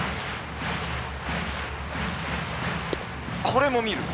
これも見る。